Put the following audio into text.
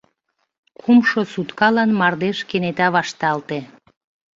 Кумшо суткалан мардеж кенета вашталте.